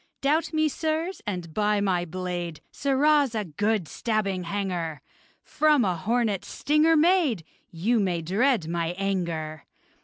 Doubt me, sirs, and by my blade! Sirrahs, a good stabbing hanger! From a hornet's stinger made! You may dread my anger!